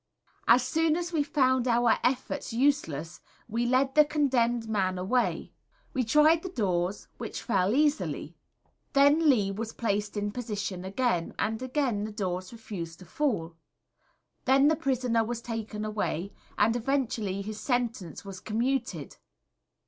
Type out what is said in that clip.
As soon as we found our efforts useless we led the condemned man away. We tried the doors, which fell easily; then Lee was placed in position again, and again the doors refused to fall. Then the prisoner was taken away, and eventually his sentence was commuted.